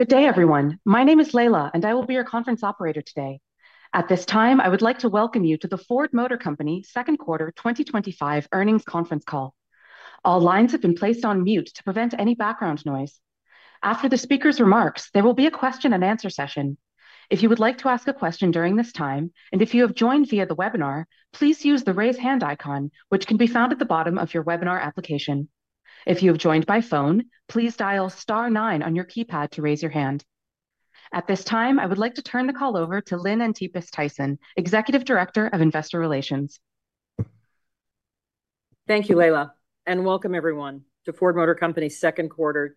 Good day everyone. My name is Layla and I will be your conference operator today. At this time I would like to welcome you to the Ford Motor Company second quarter 2025 earnings conference call. All lines have been placed on mute to prevent any background noise. After the speaker's remarks, there will be a question-and-answer session. If you would like to ask a question during this time and if you have joined via the webinar, please use the Raise hand icon which can be found at the bottom of your webinar application. If you have joined by phone, please dial nine on your keypad to raise your hand. At this time I would like to turn the call over to Lynn Antipas Tyson, Executive Director of Investor Relations. Thank you, Layla, and welcome everyone to Ford Motor Company second quarter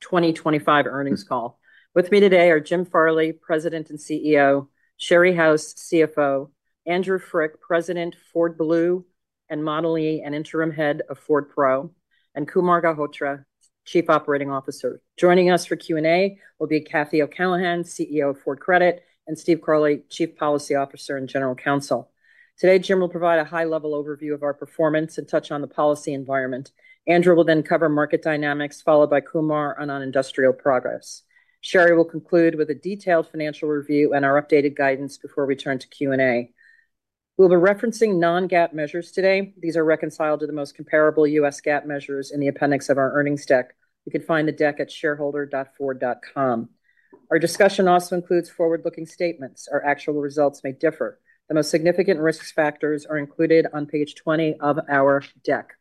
2025 earnings call. With me today are Jim Farley, President and CEO, Sherry House, CFO, Andrew Frick, President, President Ford Blue and Model E and Interim Head of Ford Pro, and Kumar Galhotra, Chief Operating Officer. Joining us for Q&A will be Kathy O'Callaghan, CEO of Ford Credit, and Steve Carley, Chief Policy Officer and General Counsel. Today, Jim will provide a high-level overview of our performance and touch on the policy environment. Andrew will then cover market dynamics, followed by Kumar on industrial progress. Sherry will conclude with a detailed financial review and our updated guidance before we turn to Q&A. We will be referencing non-GAAP measures today. These are reconciled to the most comparable US GAAP measures in the appendix of our earnings deck. You can find the deck at shareholder.ford.com. Our discussion also includes forward-looking statements. Our actual results may differ. The most significant risk factors are included on page 20 of our deck.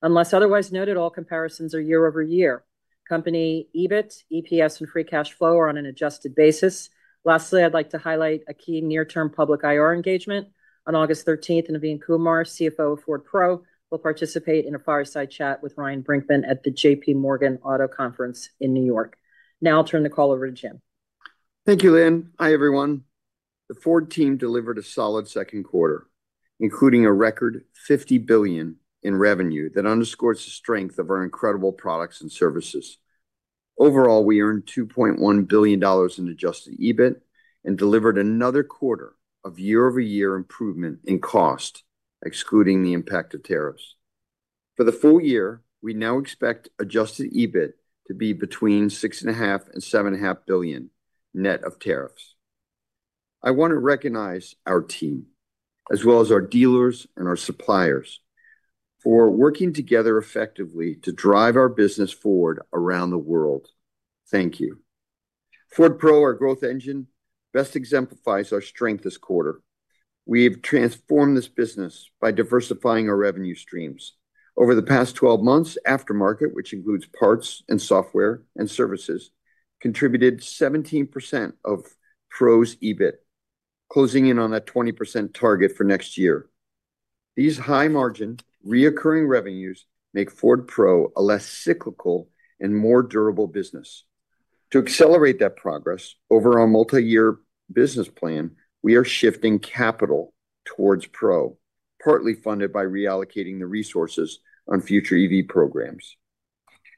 Unless otherwise noted, all comparisons are year-over-year. Company EBIT, EPS, and free cash flow are on an adjusted basis. Lastly, I'd like to highlight a key near-term public IR engagement. On August 13, Naveen Kumar, CFO of Ford Pro, will participate in a fireside chat with Ryan Brinkman at the J.P. Morgan Auto Conference in New York. Now I'll turn the call over to Jim. Thank you, Lynn. Hi everyone. The Ford team delivered a solid second quarter including a record $50 billion in revenue. That underscores the strength of our incredible products and services. Overall, we earned $2.1 billion in adjusted EBIT and delivered another quarter of year-over-year improvement in cost excluding the impact of tariffs. For the full year, we now expect adjusted EBIT to be between $6.5 billion and $7.5 billion net of tariffs. I want to recognize our team as well as our dealers and our suppliers for working together effectively to drive our business forward around the world. Thank you. Ford Pro, our growth engine, best exemplifies our strength this quarter. We have transformed this business by diversifying our revenue streams. Over the past 12 months, aftermarket, which includes parts and software and services, contributed 17% of Pro's EBIT, closing in on that 20% target for next year. These high-margin recurring revenues make Ford Pro a less cyclical and more durable business. To accelerate that progress over our multi-year business plan, we are shifting capital towards Pro, partly funded by reallocating the resources on future EV programs.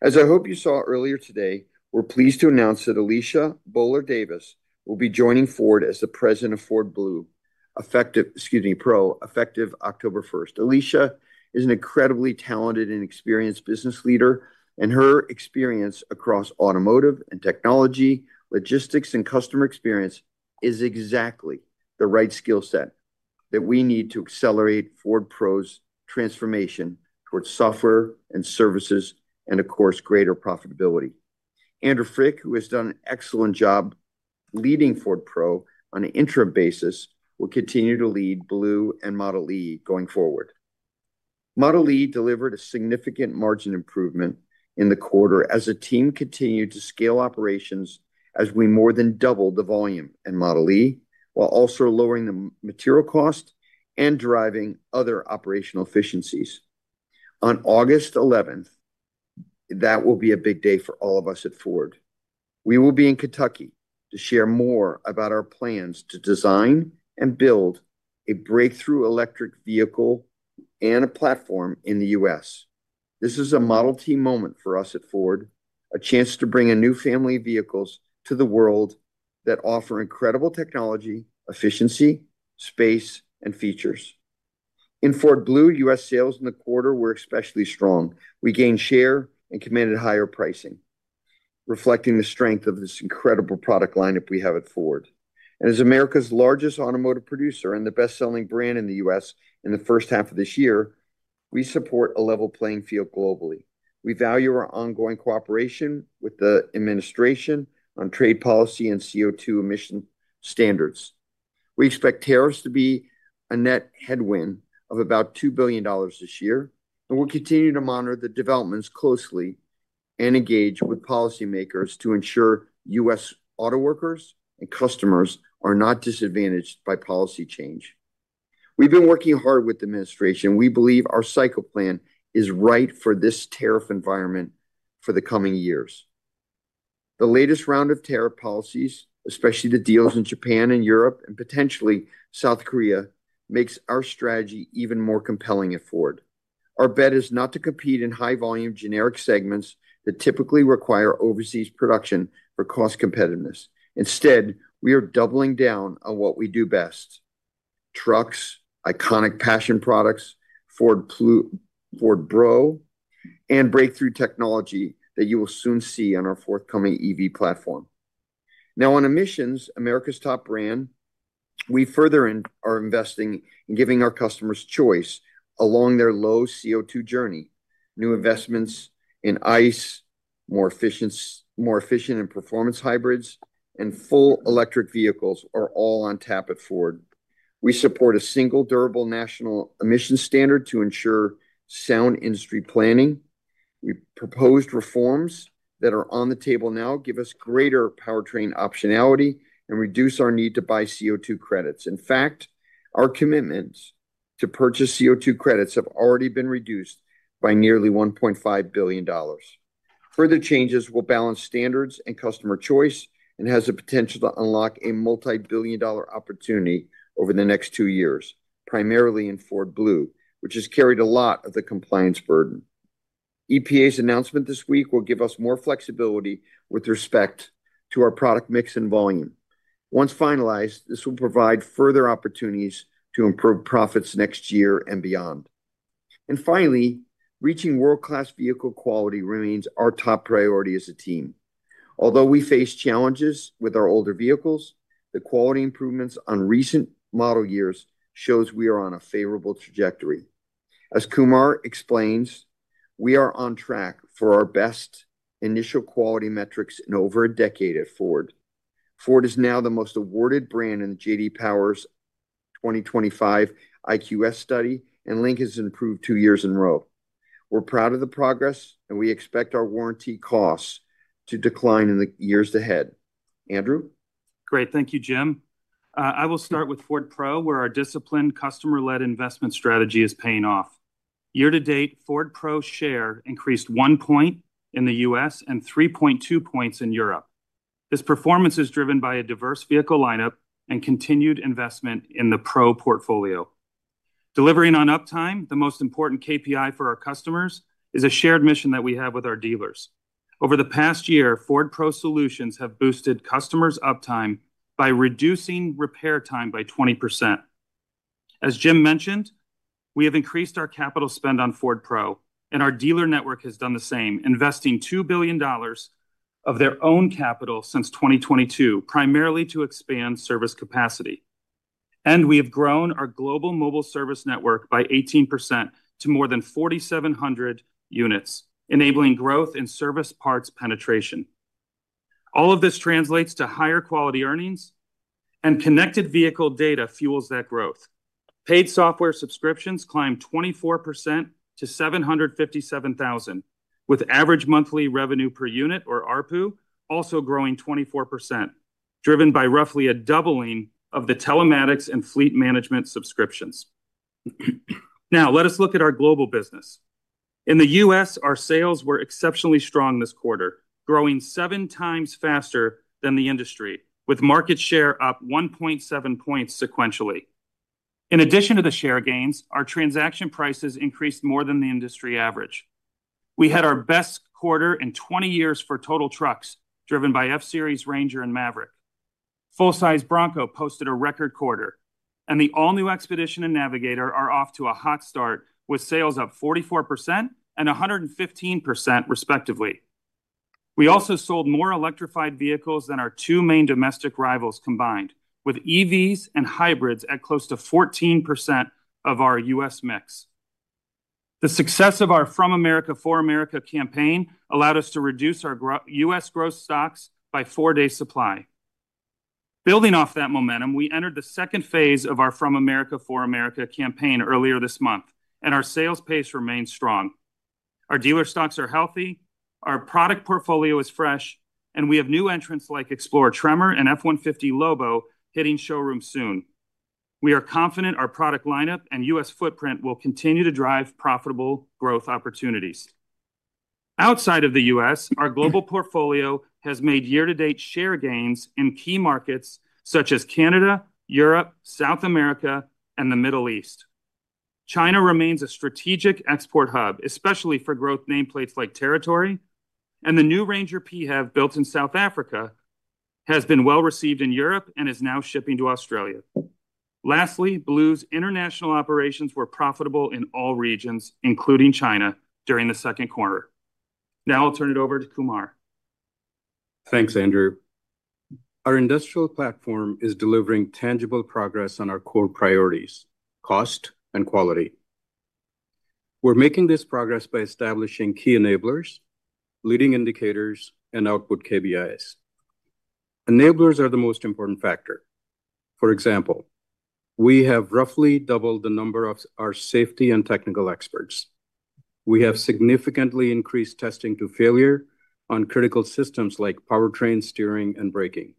As I hope you saw earlier today, we're pleased to announce that Alicia Boler Davis will be joining Ford as the President of Ford Blue effective, excuse me pro, effective October 1st. Alicia is an incredibly talented and experienced business leader and her experience across automotive and technology, logistics and customer experience is exactly the right skill set that we need to accelerate Ford Pro's transformation towards software and services and of course, greater profitability. Andrew Frick, who has done an excellent job leading Ford Pro on an interim basis, will continue to lead Blue and Model E going forward. Model E delivered a significant margin improvement in the quarter as the team continued to scale operations as we more than doubled the volume in Model E while also lowering the material cost and driving other operational efficiencies. On August 11th, it will be a big day for all of us at Ford. We will be in Kentucky to share more about our plans to design and build a breakthrough electric vehicle and a platform in the U.S. This is a Model T moment for us at Ford. A chance to bring a new family of vehicles to the world that offer incredible technology, efficiency, space and features. In Ford Blue, U.S. sales in the quarter were especially strong. We gained share and commanded higher pricing, reflecting the strength of this incredible product lineup we have at Ford. As America's largest automotive producer and the best selling brand in the U.S. in the first half of this year, we support a level playing field globally. We value our ongoing cooperation with the administration on trade policy and CO2 emission standards. We expect tariffs to be a net headwind of about $2 billion this year. We will continue to monitor the developments closely and engage with policymakers to ensure U.S. auto workers and customers are not disadvantaged by policy change. We have been working hard with the administration. We believe our cycle plan is right for this tariff environment for the coming years. The latest round of tariff policies, especially the deals in Japan and Europe and potentially South Korea, makes our strategy even more compelling at Ford. Our bet is not to compete in high volume generic segments that typically require overseas production for cost competitiveness. Instead, we are doubling down on what we do best: trucks, iconic passion products, Ford Pro, Ford Blue, and breakthrough technology that you will soon see on our forthcoming EV platform. Now on emissions, as America's top brand, we further are investing in giving our customers choice along their low CO2 journey. New investments in ICE, more efficient and performance Hybrids and full electric vehicles are all on tap at Ford we support a single durable national emissions standard to ensure sound industry planning. We proposed reforms that are on the table now, give us greater powertrain optionality and reduce our need to buy CO2 credits. In fact, our commitments to purchase CO2 credits have already been reduced by nearly $1.5 billion. Further changes will balance standards and customer choice and has the potential to unlock a multibillion dollar opportunity over the next two years, primarily in Ford Blue, which has carried a lot of the compliance burden. EPA's announcement this week will give us more flexibility with respect to our product mix and volume. Once finalized, this will provide further opportunities to improve profits next year and beyond. Finally, reaching world class vehicle quality remains our top priority as a team. Although we face challenges with our older vehicles, the quality improvements on recent model years shows we are on a favorable trajectory. As Kumar explains, we are on track for our best initial quality metrics in over a decade at Ford. Ford is now the most awarded brand in J.D. Power's 2025 IQS study and Lincoln has improved two years in a row. We're proud of the progress and we expect our warranty costs to decline in the years ahead. Andrew Great. Thank you Jim. I will start with Ford Pro where our disciplined customer-led investment strategy is paying off. Year-to-date, Ford Pro share increased one point in the U.S. and 3.2 points in Europe. This performance is driven by a diverse vehicle lineup and continued investment in the Pro portfolio. Delivering on uptime, the most important KPI for our customers, is a shared mission that we have with our dealers. Over the past year, Ford Pro Solutions have boosted customers' uptime by reducing repair time by 20%. As Jim mentioned, we have increased our capital spend on Ford Pro and our dealer network has done the same, investing $2 billion of their own capital since 2022, primarily to expand service capacity. We have grown our global mobile service network by 18% to more than 4,700 units, enabling growth in service parts penetration. All of this translates to higher quality earnings and connected vehicle data fuels that growth. Paid software subscriptions climbed 24% to 757,000 with average monthly revenue per unit, or ARPU, also growing 24%, driven by roughly a doubling of the telematics and fleet management subscriptions. Now let us look at our global business. In the U.S., our sales were exceptionally strong this quarter, growing seven times faster than the industry with market share up 1.7 points sequentially. In addition to the share gains, our transaction prices increased more than the industry average. We had our best quarter in 20 years for total trucks, driven by F-Series, Ranger, and Maverick. Full-size Bronco posted a record quarter and the all-new Expedition and Navigator are off to a hot start with sales up 44% and 115%, respectively. We also sold more electrified vehicles than our two main domestic rivals combined, with EVs and hybrids at close to 14% of our U.S. mix. The success of our From America for America campaign allowed us to reduce our U.S. gross stocks by four day supply. Building off that momentum, we entered the second phase of our From America for America campaign earlier this month and our sales pace remains strong. Our dealer stocks are healthy, our product portfolio is fresh, and we have new entrants like Explorer, Tremor, and F-150 Lobo hitting showrooms soon. We are confident our product lineup and U.S. footprint will continue to drive profitable growth opportunities. Outside of the U.S., our global portfolio has made year-to-date share gains in key markets such as Canada, Europe, South America, and the Middle East. China remains a strategic export hub, especially for growth nameplates like Territory, and the new Ranger PHEV built in South Africa has been well received in Europe and is now shipping to Australia. Lastly, Blue's international operations were profitable in all regions, including China, during the second quarter. Now I'll turn it over to Kumar. Thanks, Andrew. Our industrial platform is delivering tangible progress on our core priorities, cost and quality. We're making this progress by establishing key enablers, leading indicators, and output. KPIs enablers are the most important factor. For example, we have roughly doubled the number of our safety and technical experts. We have significantly increased testing to failure on critical systems like powertrain, steering, and braking.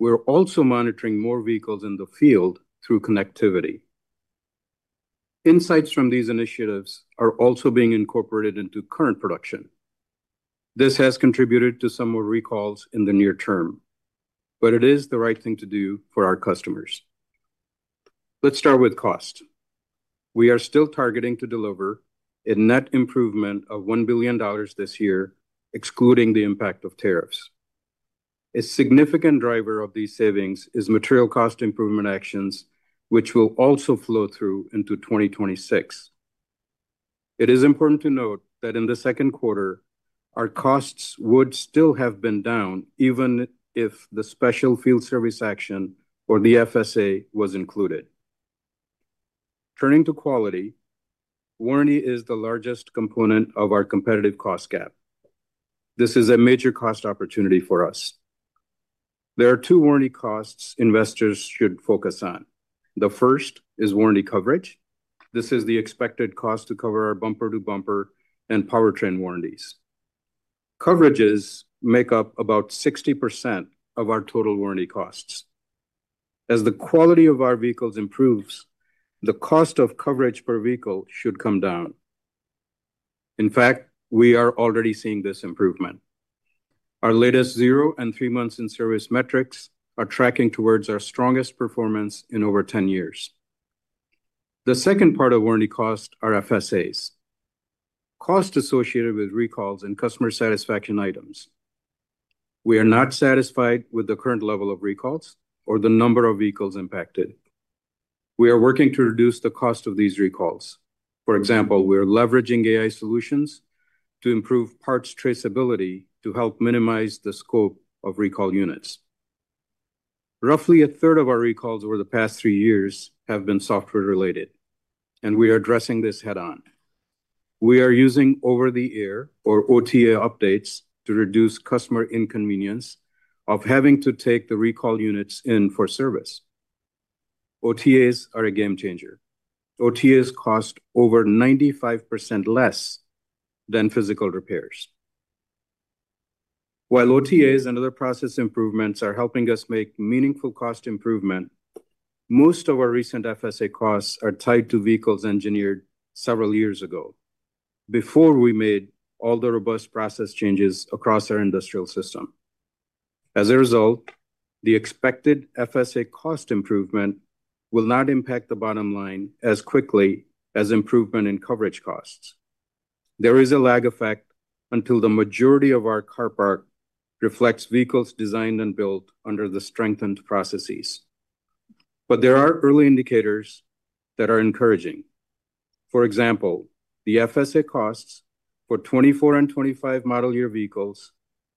We're also monitoring more vehicles in the field through connectivity. Insights from these initiatives are also being incorporated into current production. This has contributed to some more recalls in the near-term, but it is the right thing to do for our customers. Let's start with cost. We are still targeting to deliver a net improvement of $1 billion this year excluding the impact of tariffs. A significant driver of these savings is material cost improvement actions which will also flow through into 2026. It is important to note that in the second quarter our costs would still have been down even if the special field service action or the FSA was included. Turning to quality, warranty is the largest component of our competitive cost gap. This is a major cost opportunity for us. There are two warranty costs investors should focus on. The first is warranty coverage. This is the expected cost to cover our bumper to bumper and powertrain warranties. Coverages make up about 60% of our total warranty costs. As the quality of our vehicles improves, the cost of coverage per vehicle should come down. In fact, we are already seeing this improvement. Our latest zero and three months in service metrics are tracking towards our strongest performance in over 10 years. The second part of warranty costs are FSA costs associated with recalls and customer satisfaction items. We are not satisfied with the current level of recalls or the number of vehicles impacted. We are working to reduce the cost of these recalls. For example, we are leveraging AI solutions to improve parts traceability to help minimize the scope of recall units. Roughly 1/3 of our recalls over the past three years have been software related and we are addressing this head on. We are using over the air or OTA updates to reduce customer inconvenience of having to take the recall units in for service. OTAs are a game changer. OTAs cost over 95% less than physical repairs. While OTAs and other process improvements are helping us make meaningful cost improvement, most of our recent FSA costs are tied to vehicles engineered several years ago before we made all the robust process changes across our industrial system. As a result, the expected FSA cost improvement will not impact the bottom line as quickly as improvement in coverage costs. There is a lag effect until the majority of our car park reflects vehicles designed and built under the strengthened processes. There are early indicators that are encouraging. For example, the FSA costs for 2024 and 2025 model year vehicles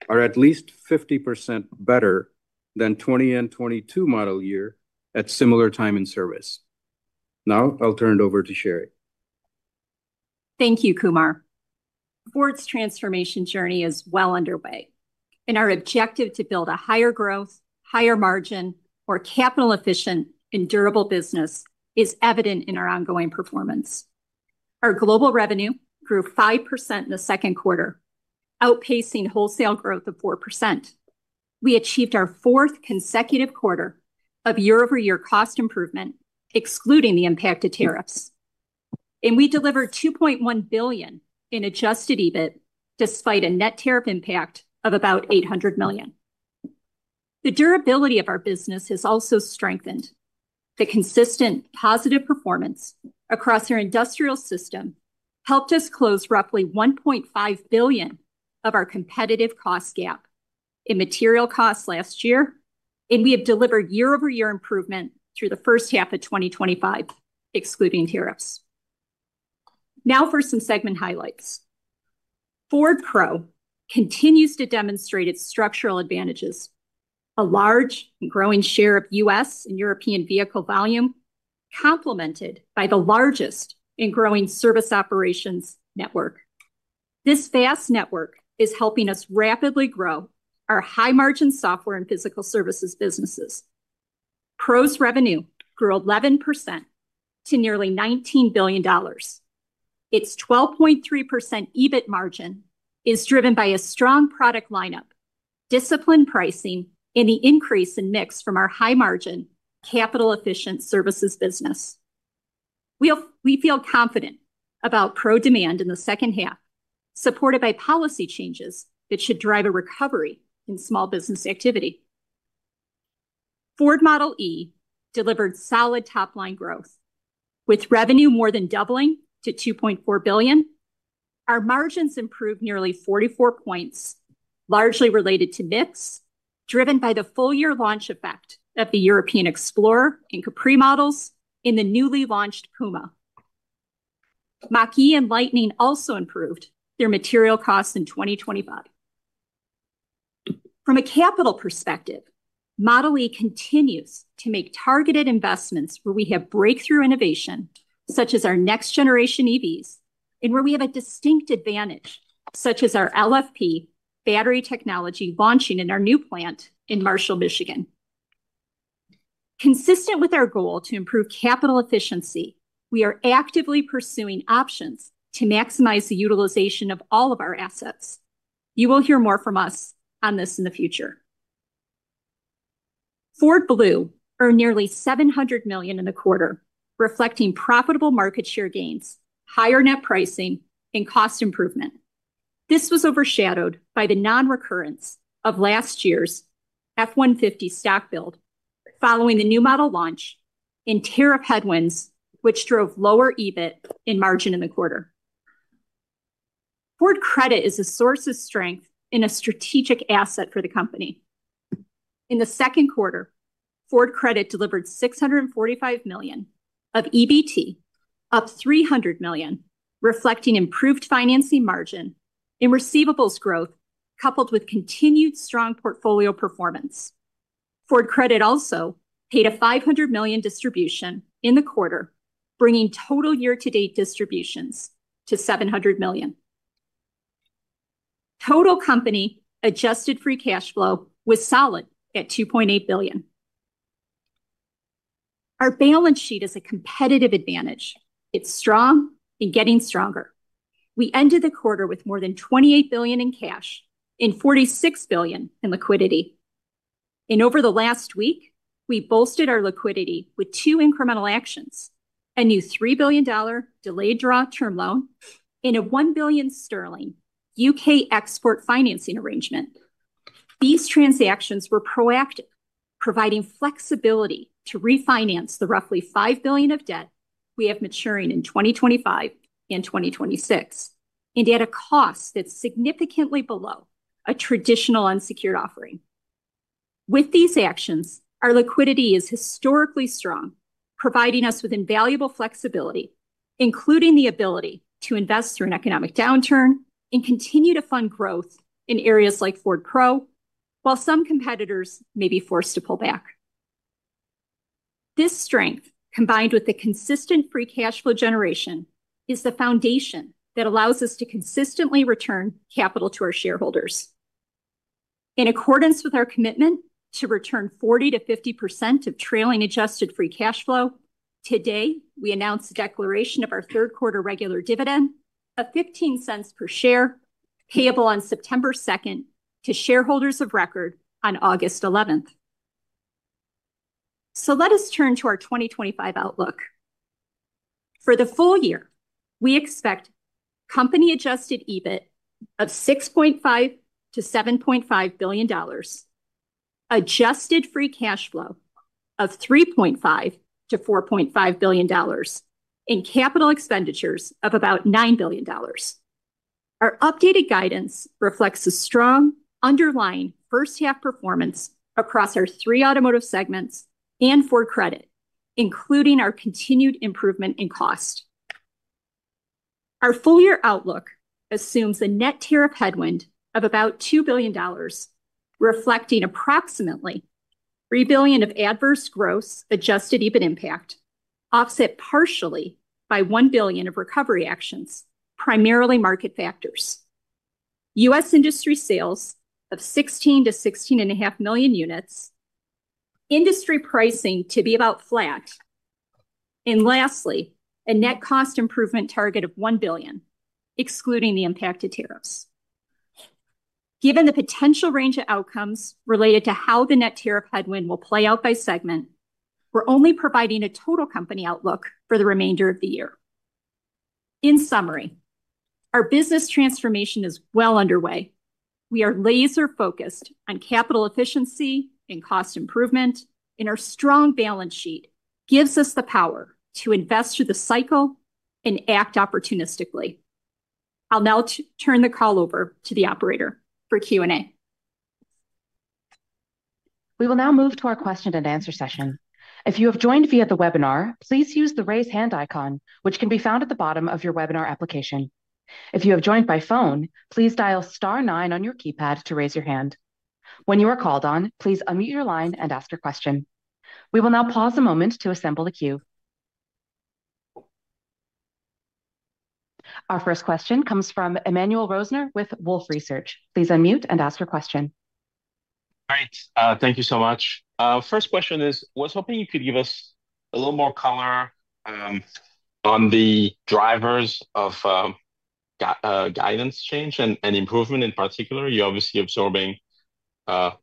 are at least 50% better than 2020 and 2022 model year at similar time in service. Now I'll turn it over to Sherry. Thank you, Kumar. Ford's transformation journey is well underway and our objective to build a higher growth, higher margin, more capital efficient and durable business is evident in our ongoing performance. Our global revenue grew 5% in the second quarter, outpacing wholesale growth of 4%. We achieved our fourth consecutive quarter of year-over-year cost improvement excluding the impact of tariffs, and we delivered $2.1 billion in adjusted EBIT despite a net tariff impact of about $800 million. The durability of our business has also strengthened. The consistent positive performance across our industrial system helped us close roughly $1.5 billion of our competitive cost gap in material costs last year, and we have delivered year-over-year improvement through the first half of 2025 excluding tariffs. Now for some segment highlights. Ford Pro continues to demonstrate its structural advantages, a large growing share of U.S. and European vehicle volume complemented by the largest and growing service operations network. This vast network is helping us rapidly grow our high margin software and physical services businesses. Pro's revenue grew 11% to nearly $19 billion. Its 12.3% EBIT margin is driven by a strong product lineup, disciplined pricing and the increase in mix from our high margin capital efficient services business. We feel confident about Pro demand in the second half, supported by policy changes that should drive a recovery in small business activity. Ford Model E delivered solid top line growth with revenue more than doubling to $2.4 billion. Our margins improved nearly 44 percentage points, largely related to mix driven by the full year launch effect of the European Explorer and Capri models, and the newly launched Puma. Mach-E and Lightning also improved their material costs in 2025. From a capital perspective, Model E continues to make targeted investments where we have breakthrough innovation, such as our next generation EVs, and where we have a distinct advantage, such as our LFP battery technology launching in our new plant in Marshall, Michigan. Consistent with our goal to improve capital efficiency, we are actively pursuing options to maximize the utilization of all of our assets. You will hear more from us on this in the future. Ford Blue earned nearly $700 million in the quarter, reflecting profitable market share gains, higher net pricing and cost improvement. This was overshadowed by the non recurrence of last year's F-150 stock build following the new model launch in tariff headwinds which drove lower EBIT and margin in the quarter. Ford Credit is a source of strength and a strategic asset for the company. In the second quarter Ford Credit delivered $645 million of EBT, up $300 million, reflecting improved financing margin and receivables growth coupled with continued strong portfolio performance. Ford Credit also paid a $500 million distribution in the quarter, bringing total year-to-date distributions to $700 million. Total company adjusted free cash flow was solid at $2.8 billion. Our balance sheet is a competitive advantage. It's strong and getting stronger. We ended the quarter with more than $28 billion in cash and $46 billion in liquidity, and over the last week we bolstered our liquidity with two incremental actions, a new $3 billion delayed draw term loan and a 1 billion sterling U.K. export financing arrangement. These transactions were proactive, providing flexibility to refinance the roughly $5 billion of debt we have maturing in 2025 and 2026, and at a cost that's significantly below a traditional unsecured offering. With these actions, our liquidity is historically strong, providing us with invaluable flexibility, including the ability to invest through an economic downturn and continue to fund growth in areas like Ford Pro, while some competitors may be forced to pull back. This strength, combined with the consistent free cash flow generation, is the foundation that allows us to consistently return capital to our shareholders in accordance with our commitment to return 40%-50% of trailing adjusted free cash flow. Today we announced the declaration of our third quarter regular dividend of $0.15 per share, payable on September 2nd to shareholders of record on August 11th. Let us turn to our 2025 outlook. For the full year, we expect company adjusted EBIT of $6.5 billion-$7.5 billion, adjusted free cash flow of $3.5 billion-$4.5 billion, and capital expenditures of about $9 billion. Our updated guidance reflects a strong underlying first half performance across our three automotive segments and Ford Credit, including our continued improvement in cost. Our full year outlook assumes a net tariff headwind of about $2 billion, reflecting approximately $3 billion of adverse gross adjusted EBIT impact, offset partially by $1 billion of recovery actions, primarily market factors. U.S. Industry sales of 16 million-16.5 million units, industry pricing to be about flat, and lastly a net cost improvement target of $1 billion excluding the impact of tariffs. Given the potential range of outcomes related to how the net tariff headwind will play out by segment, we're only providing a total company outlook for the remainder of the year. In summary, our business transformation is well underway. We are laser-focused on capital efficiency and cost improvement, and our strong balance sheet gives us the power to invest through the cycle and act opportunistically. I'll now turn the call over to the operator for Q&A. We will now move to our question-and-answer session. If you have joined via the webinar, please use the raise hand icon, which can be found at the bottom of your webinar application. If you have joined by phone, please dial 9 on your keypad to raise your hand when you are called on. Please unmute your line and ask your question. We will now pause a moment to assemble the queue. Our first question comes from Emmanuel Rosner with Wolfe Research. Please unmute and ask your question. All right, thank you so much. First question is was hoping you could give us a little more color on the drivers of guidance change and improvement. In particular you're obviously absorbing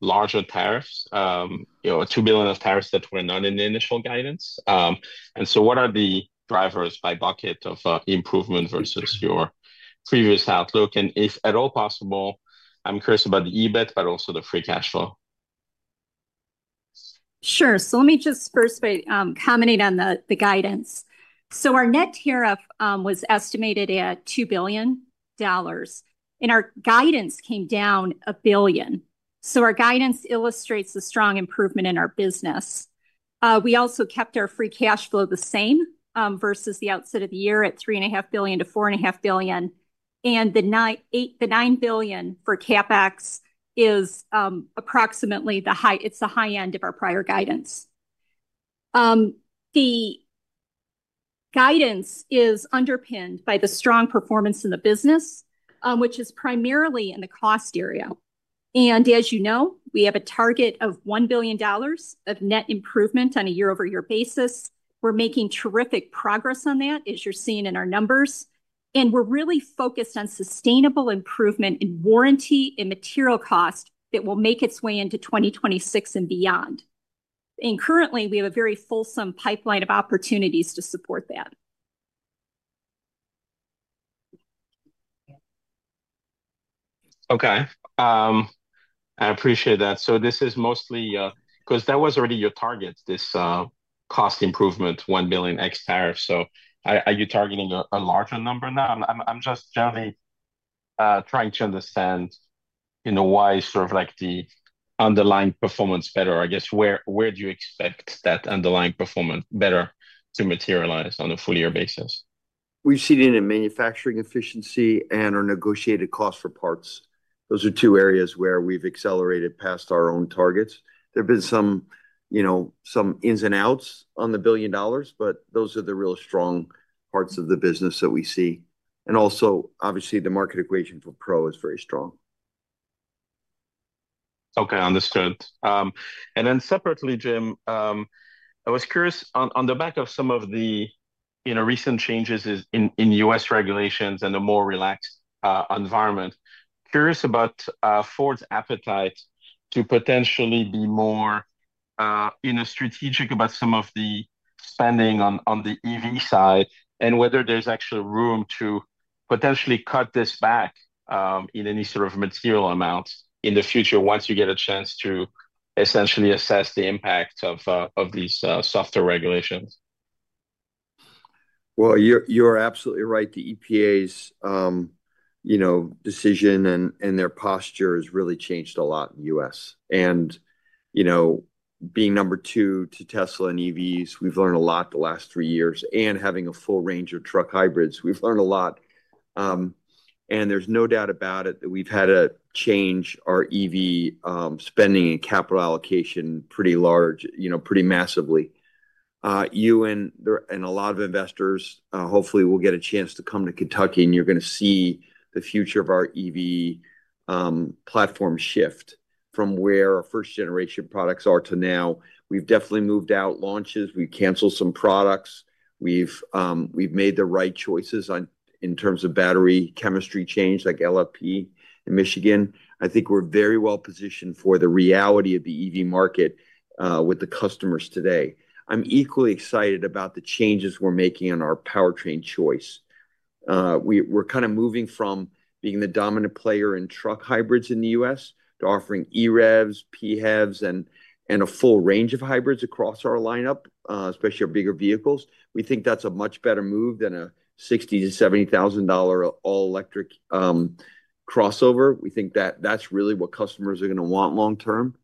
larger tariffs, you know, $2 billion of tariffs that were not in the initial guidance. What are the drivers by bucket of improvement versus your previous outlook? If at all possible, I'm curious about the EBIT, but also the free cash flow. Sure. Let me just first comment on the guidance. Our net tariff was estimated at $2 billion and our guidance came down $1 billion. Our guidance illustrates the strong improvement in our business. We also kept our free cash flow the same versus the outset of the year at $3.5 billion-$4.5 billion. The $9 billion for CapEx is approximately the high, it's the high end of our prior guidance. The guidance is underpinned by the strong performance in the business, which is primarily in the cost area. As you know, we have a target of $1 billion of net improvement on a year-over-year basis. We're making terrific progress on that as you're seeing in our numbers. We're really focused on sustainable improvement in warranty and material cost that will make its way into 2026 and beyond. Currently we have a very fulsome pipeline of opportunities to support that. Okay, I appreciate that. This is mostly, because that was already your target, this cost improvement $1 billion x tariff. Are you targeting a larger number now? I'm just generally trying to understand, you know, why sort of like the underlying performance better, I guess. Where do you expect that underlying performance better to materialize on a full year basis? We've seen it in manufacturing efficiency and our negotiated cost for parts. Those are two areas where we've accelerated past our own targets. There have been some, you know, some ins and outs on the $1 billion, but those are the real strong parts of the business that we see. Obviously the market equation for Pro is very strong. Okay, understood. Then separately, Jim, I was curious on the back of some of the recent changes in U.S. regulations and a more relaxed environment. Curious about Ford's appetite to potentially be more strategic about some of the spending on the EV side and whether there's actually room to potentially cut this back in any sort of material amount in the future once you get a chance to essentially assess the impact of these softer regulations. You're absolutely right. The EPA's, you know, decision and their posture has really changed a lot in the U.S. and you know, being number two to Tesla in EVs, we've learned a lot the last three years. Having a full range of truck hybrids, we've learned a lot. There's no doubt about it that we've had a change. Our EV spending and capital allocation pretty large, you know, pretty massively. You and a lot of investors hopefully will get a chance to come to Kentucky and you're going to see the future of our EV platform shift from where our first generation products are to now. We've definitely moved out launches, we canceled some products we've made the right choices on in terms of battery chemistry change like LFP in Michigan. I think we're very well-positioned for the reality of the EV market with the customers today. I'm equally excited about the changes we're making on our powertrain choice. We're kind of moving from being the dominant player in truck hybrids in the U.S. to offering EREVs, PHEVs, and a full range of hybrids across our lineup, especially our bigger vehicles. We think that's a much better move than a $60,000-$70,000 all electric crossover. We think that that's really what customers are going to want long-term.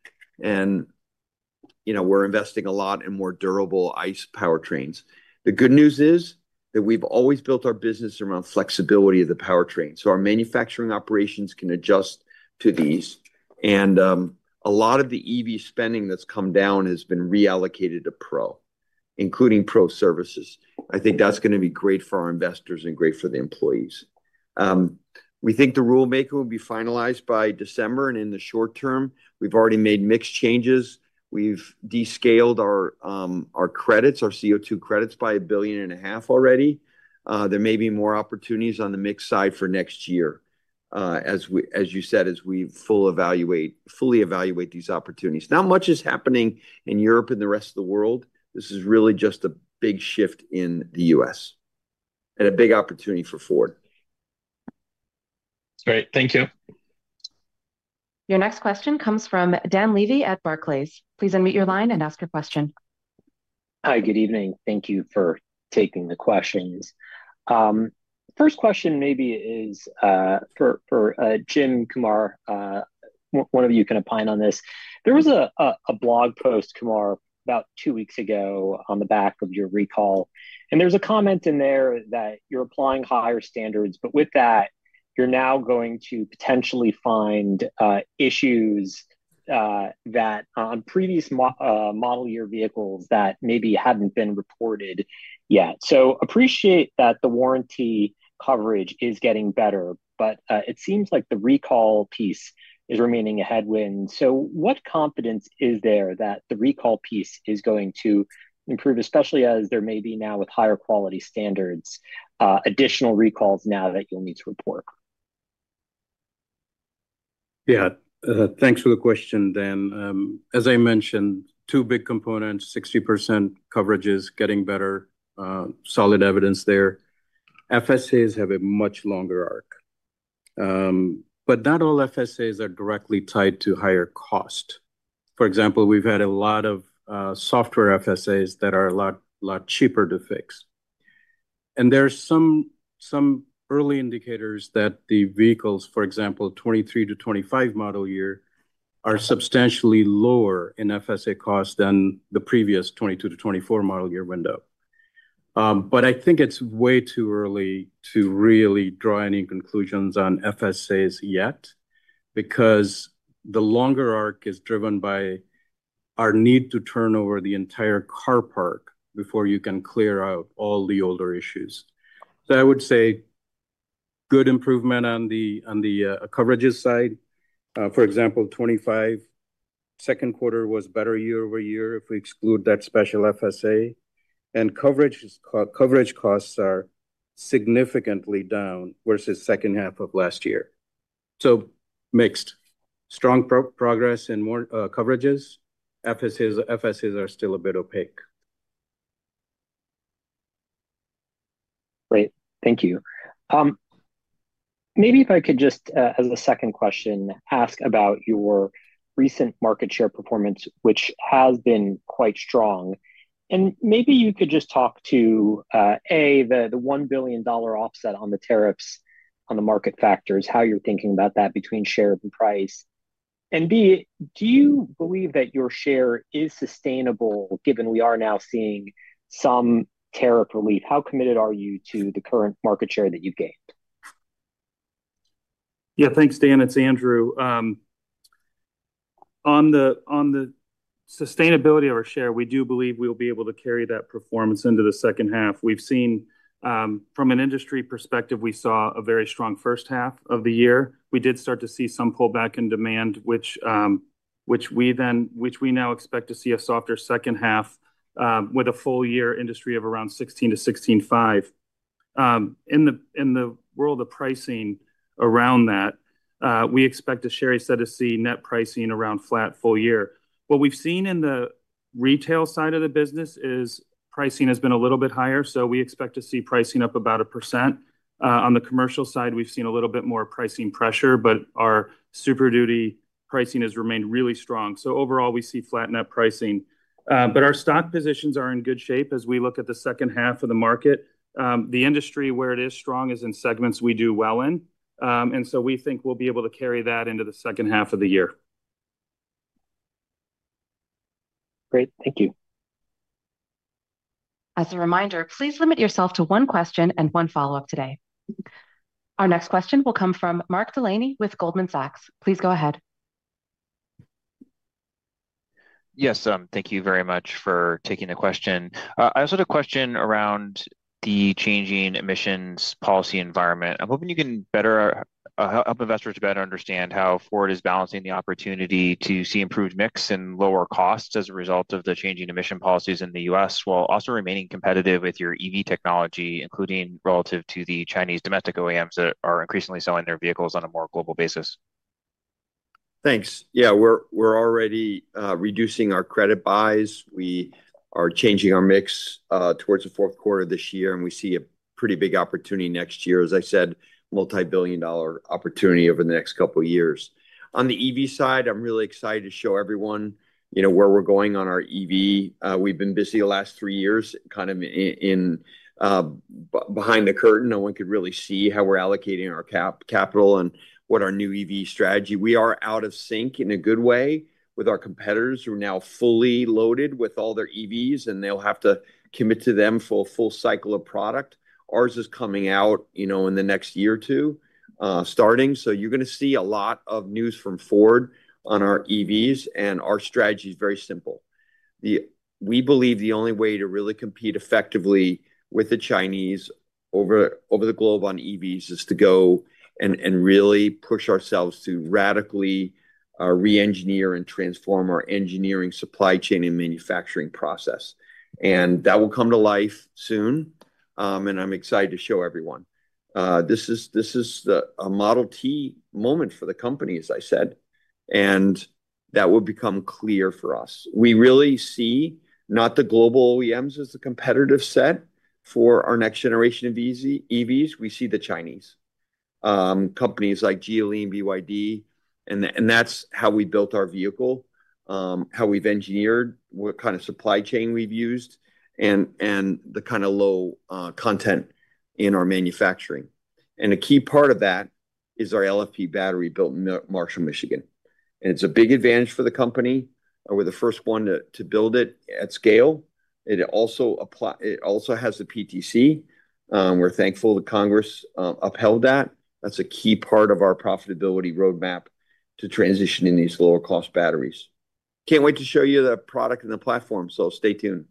You know, we're investing a lot in more durable ICE powertrains. The good news is that we've always built our business around flexibility of the powertrain so our manufacturing operations can adjust to these. A lot of the EV spending that's come down has been reallocated to Pro, including Pro services. I think that's going to be great for our investors and great for the employees. We think the rulemaking will be finalized by December and in the short term we've already made mix changes. We've descaled our credits, our CO2 credits by $1.5 billion already. There may be more opportunities on the mix side for next year as we, as you said, as we fully evaluate these opportunities, not much is happening in Europe and the rest of the world. This is really just a big shift in the U.S. and a big opportunity for Ford. Great, thank you. Your next question comes from Dan Levy at Barclays. Please unmute your line and ask your question. Hi, good evening. Thank you for taking the questions. First question maybe is for Jim, Kumar. One of you can opine on this. There was a blog post, Kumar, about two weeks ago on the back of your recall and there's a comment in there that you're applying higher standards. With that, you're now going to potentially find issues that on previous model. Year vehicles that maybe haven't been reported yet. Appreciate that the warranty coverage is getting better, but it seems like the recall piece is remaining a headwind What confidence is there that the recall piece is going to improve, especially. As there may be now with higher quality standards. Additional recalls now that you'll need to report. Yeah, thanks for the question Dan. As I mentioned, two big components, 60% coverages getting better, solid evidence there. FSAs have a much longer arc. Not all FSAs are directly tied to higher cost. For example, we've had a lot of software FSAs that are a lot cheaper to fix and there's some early indicators that the vehicles, for example 2023-2025 model year, are substantially lower in FSA costs than the previous 2022-2024 model year window. I think it's way too early to really draw any conclusions on FSAs yet because the longer arc is driven by our need to turn over the entire car park before you can clear out all the older issues. I would say good improvement on the coverages side. For example, 2025 second quarter was better year-over-year if we exclude that special FSA, and coverage costs are significantly down versus second half of last year. Mixed strong progress and more coverages, FSAs are still a bit opaque. Great, thank you. Maybe if I could just as a second question ask about your recent market share performance, which has been quite strong. Maybe you could just talk to a, $1 billion offset on the. Tariffs on the market factors how you're thinking about that between share and price? B do you believe that your Share is sustainable given we are now seeing some tariff relief, how committed are you to the current market share that you've gained? Yeah, thanks Dan, it's Andrew. On the sustainability of our share, we do believe we'll be able to carry that performance into the second half. We've seen from an industry perspective, we saw a very strong first half of the year. We did start to see some pullback in demand, which we now expect to see a softer second half with a full year industry of around 16-16.5. In the world of pricing around that, we expect, as Sherry said, to see net pricing around flat full year. What we've seen in the retail side of the business is pricing has been a little bit higher, so we expect to see pricing up about 1%. On the commercial side, we've seen a little bit more pricing pressure, but our Super Duty pricing has remained really strong. Overall, we see flat net pricing, but our stock positions are in good shape. As we look at the second half of the market, the industry where it is strong is in segments we do well in, and we think we'll be able to carry that into the second half of the year. Great, thank you. As a reminder, please limit yourself to one question and one follow up today. Our next question will come from Mark Delaney with Goldman Sachs. Please go ahead. Yes, thank you very much for taking the question. I also had a question around the changing emissions policy environment. I'm hoping you can better help investors to better understand how Ford is balancing the opportunity to see improved mix and lower costs as a result of the changing emission policies in the U.S. while also remaining competitive with your EV technology, including relative to the Chinese domestic OEMs that are increasingly selling their vehicles on a more global basis. Thanks. Yeah, we're already reducing our credit buys. We are changing our mix towards the fourth quarter this year and we see a pretty big opportunity next year. As I said, multi billion dollar opportunity over the next couple years. On the EV side, I'm really excited to show everyone, you know, where we're going on our EV. We've been busy the last three years kind of in behind the curtain. No one could really see how we're allocating our capital and what our new EV strategy is. We are out of sync in a good way with our competitors who are now fully loaded with all their EVs and they'll have to commit to them for a full cycle of product. Ours is coming out, you know, in the next year or two starting. You are going to see a lot of news from Ford on our EVs. Our strategy is very simple. We believe the only way to really compete effectively with the Chinese over, over the globe on EVs is to go and really push ourselves to radically re-engineer and transform our engineering, supply chain, and manufacturing process. That will come to life soon. I'm excited to show everyone. This is the Model T moment for the company, as I said, and that will become clear for us. We really see not the global OEMs as the competitive set for our next generation of EVs. We see the Chinese companies like Geely, BYD, and that's how we built our vehicle, how we've engineered, what kind of supply chain we've used, and the kind of low content in our manufacturing. A key part of that is our LFP battery built in Marshall, Michigan, and it's a big advantage for the company. We're the first one to build it at scale. It also has the PTC. We're thankful that Congress upheld that. That's a key part of our profitability roadmap to transitioning these lower cost batteries. Can't wait to show you the product and the platform, so stay tuned.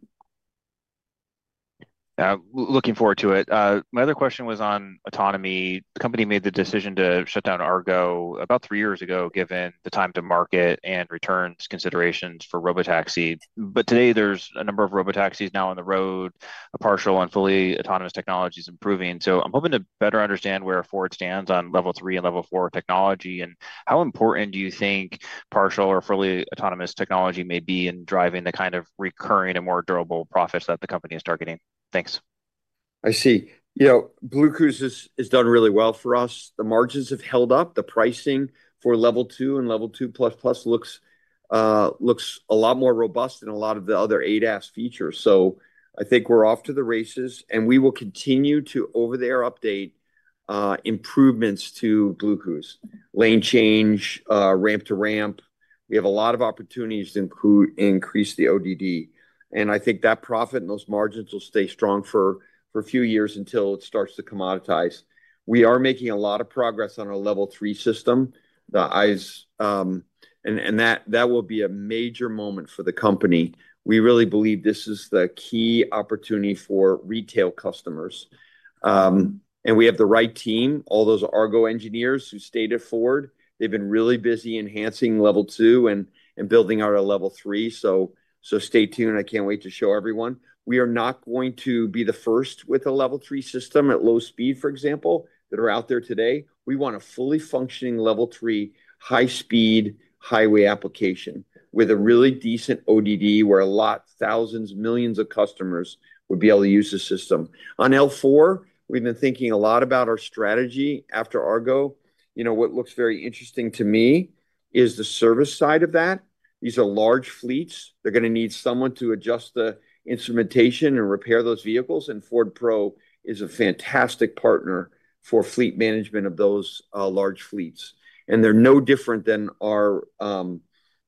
Looking forward to it. My other question was on autonomy. Company made the decision to shut down Argo about three years ago given the time to market and returns considerations for robotaxi. Today there's a number of robotaxis now on the road. A partial and fully autonomous technology is improving. I am hoping to better understand where Ford stands on level three and level four technology. How important do you think partial or fully autonomous technology may be in driving the kind of recurring and more durable profits that the company is targeting. Thanks. I see, you know, BlueCruise has done really well for us. The margins have held up. The pricing for level 2 and level 2 plus plus looks a lot more robust than a lot of the other ADAS features. I think we're off to the races, and we will continue to over-the-air update improvements to BlueCruise lane change, ramp to ramp. We have a lot of opportunities to increase the ODD and I think that profit and those margins will stay strong for a few years until it starts to commoditize. We are making a lot of progress on our level three system and that will be a major moment for the company. We really believe this is the key opportunity for retail customers and we have the right team. All those Argo engineers who stayed at Ford, they've been really busy enhancing level two and building out a level three. Stay tuned. I can't wait to show everyone we are not going to be the first with a level three system at low speed, for example, that are out there today. We want a fully functioning level three high speed highway application with a really decent ODD where thousands, millions of customers would be able to use the system. On L4, we've been thinking a lot about our strategy after Argo. You know what looks very interesting to me is the service side of that. These are large fleets. They're going to need someone to adjust the instrumentation and repair those vehicles. Ford Pro is a fantastic partner for fleet management of those large fleets. They're no different than our,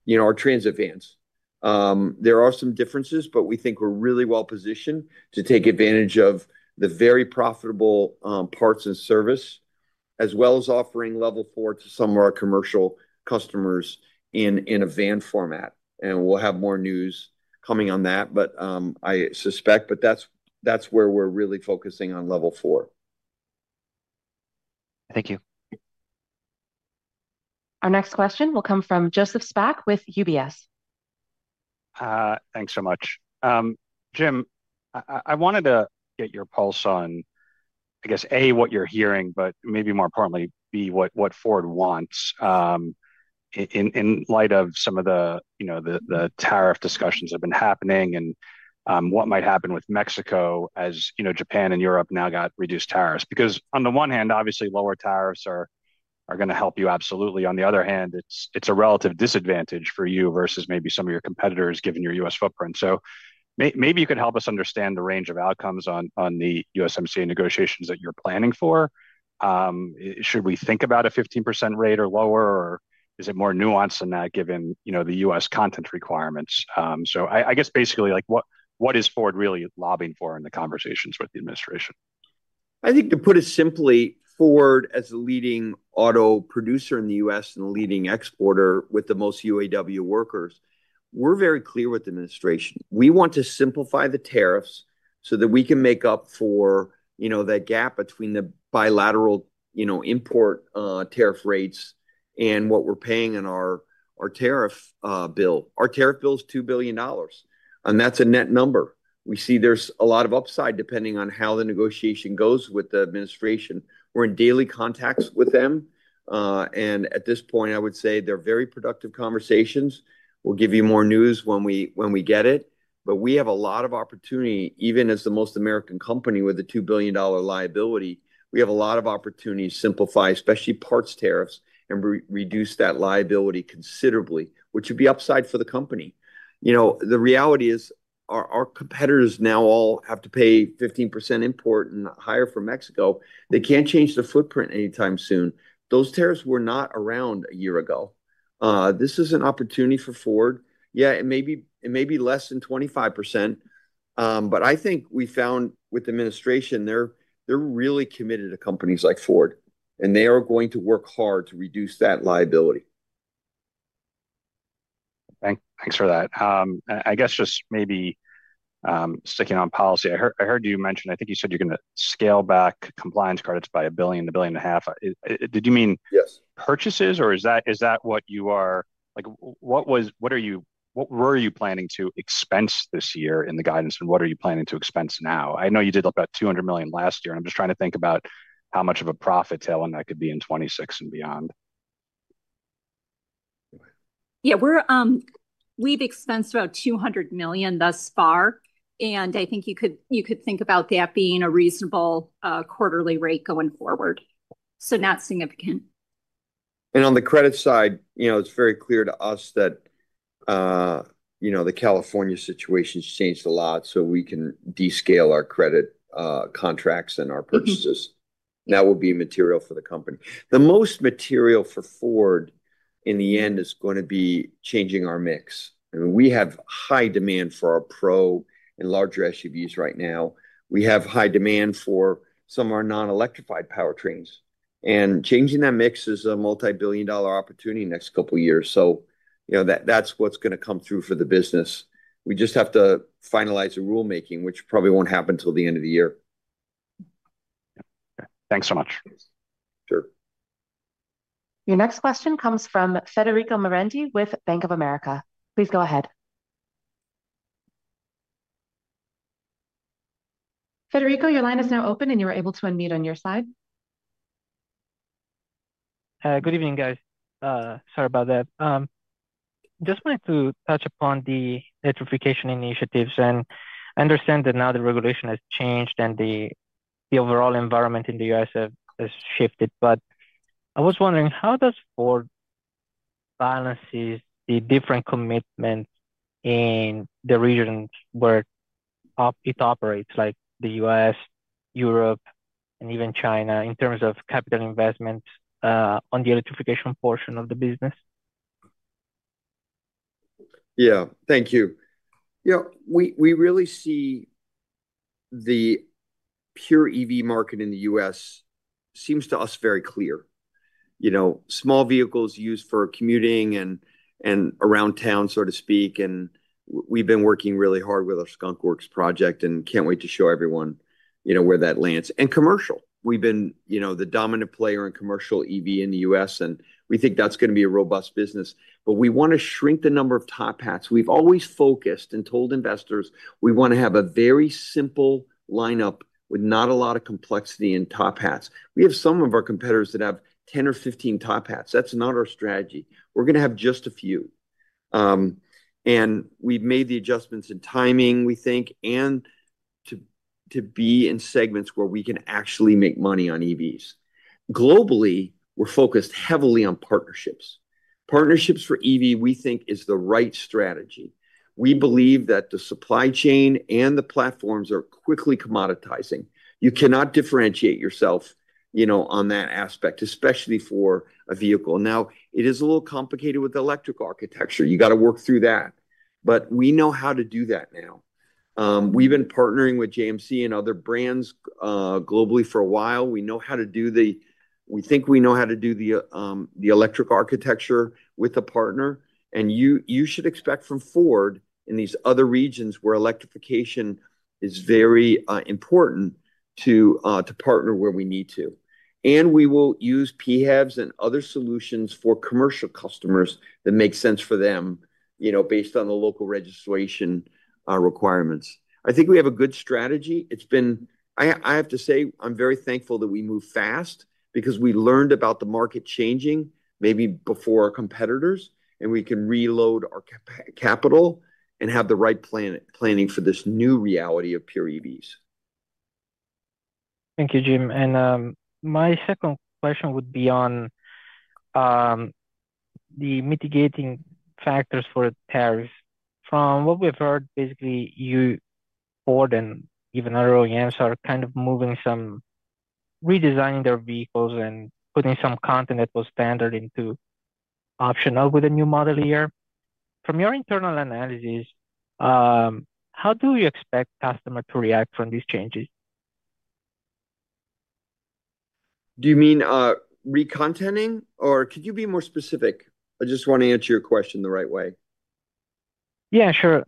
you know, our Transit vans. There are some differences, but we think we're really well-positioned to take advantage of the very profitable parts and service as well as offering level four to some of our commercial customers in a van format. We'll have more news coming on that, but I suspect that's where we're really focusing on level four. Thank you. Our next question will come from Joseph Spak with UBS. Thanks so much, Jim. I wanted to get your pulse on, I guess, A, what you're hearing, but maybe more importantly, B, what Ford wants in light of some of the, you know, the tariff discussions have been happening and what might happen with Mexico as Japan and Europe now got reduced tariffs. Because on the one hand, obviously lower tariffs are going to help you. Absolutely. On the other hand, it's a relative disadvantage for you versus maybe some of your competitors given your U.S. footprint. Maybe you can help us understand the range of outcomes on the USMCA negotiations that you're planning for. Should we think about a 15% rate or lower or is it more nuanced than that given the U.S. content requirements? I guess basically, what is Ford really lobbying for in the conversations with the administration? I think, to put it simply, Ford as the leading auto producer in the U.S. and the leading exporter with the most UAW workers, we're very clear with the administration. We want to simplify the tariffs so that we can make up for, you know, that gap between the bilateral, you know, import tariff rates and what we're paying in our tariff bill. Our tariff bill is $2 billion. And that's a net number. We see there's a lot of upside depending on how the negotiation goes with the administration. We're in daily contacts with them and at this point, I would say they're very productive conversations. We'll give you more news when we get it, but we have a lot of opportunity. Even as the most American company with a $2 billion liability, we have a lot of opportunities. Simplify especially parts tariffs and reduce that liability considerably, which would be upside for the company. You know, the reality is our competitors now all have to pay 15% import and higher for Mexico. They can't change the footprint anytime soon. Those tariffs were not around a year ago. This is an opportunity for Ford. Yeah, it may be, it may be less than 25%. I think we found with the administration, they're really committed to companies like Ford and they are going to work hard to reduce that liability. Thanks for that. I guess, just maybe sticking on policy. I heard you mentioned, I think you said you're going to scale back compliance credits by $1 billion-$1.5 billion. Did you mean yes purchases or is that, is that what you are like, what was, what are you, what were you planning to expense this year in the guidance and what are you planning to expense now? I know you did about $200 million last year. I'm just trying to think about how much of a profit tail and that could be in 2026 and beyond. Yeah, we've expensed about $200 million thus far and I think you could, you could think about that being a reasonable quarterly rate going forward. So not significant. On the credit side, you know, it's very clear to us that, you know, the California situation has changed a lot. We can descale our credit contracts and our purchases that will be material for the company. The most material for Ford in the end is going to be changing our mix. I mean we have high demand for our Pro and larger SUVs right now. We have high demand for some of our non electrified powertrains. Changing that mix is a multi billion dollar opportunity next couple years. You know that that's what's going to come through for the business. We just have to finalize the rulemaking which probably won't happen until the end of the year. Thanks so much. Sure. Your next question comes from Federico Merendi with Bank of America. Please go ahead. Federico, your line is now open and you are able to unmute on your side. Good evening guys. Sorry about that. Just wanted to touch upon the electrification initiatives and I understand that now the regulation has changed and the overall environment in the U.S. has shifted. I was wondering how does Ford balance the different commitment in the regions where it operates like the U.S., Europe, and even China in terms of capital investments on the electrification portion of the business? Yeah, thank you. Yeah, we really see the pure EV market in the U.S. seems to us very clear, you know, small vehicles used for commuting and around town, so to speak. We've been working really hard with our skunkworks project and can't wait to show everyone, you know, where that lands. Commercial, we've been, you know, the dominant player in commercial EV in the U.S. and we think that's going to be a robust business. We want to shrink the number of top hats. We've always focused and told investors we want to have a very simple lineup with not a lot of complexity in top hats. We have some of our competitors that have 10 or 15 top hats. That's not our strategy. We're going to have just a few. We've made the adjustments in timing we think to be in segments where we can actually make money on EVs. Globally we're focused heavily on partnerships. Partnerships for EV we think is the right strategy. We believe that the supply chain and the platforms are quickly commoditizing. You cannot differentiate yourself, you know, on that aspect, especially for a vehicle. Now it is a little complicated with electric architecture. You got to work through that. We know how to do that now. We've been partnering with JMC and other brands globally for a while. We know how to do the, we think we know how to do the electric architecture with a partner. You should expect from Ford in these other regions where electrification is very important to partner where we need to. We will use PHEVs and other solutions for commercial customers that make sense for them. You know, based on the local registration requirements, I think we have a good strategy. I have to say I'm very thankful that we move fast because we learned about the market changing maybe before our competitors and we can reload our capital and have the right plan planning for this new reality of pure EVs. Thank you, Jim. My second question would be on the mitigating factors for tariffs. From what we've heard, basically you, Ford and even other OEMs are kind of moving, some redesigning their vehicles and putting some content that was standard into optional with a new model here. From your internal analysis, how do you expect customer to react from these changes? Do you mean recontenting or could you be more specific? I just want to answer your question the right way. Yeah, sure.